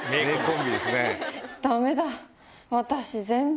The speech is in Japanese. ダメだ！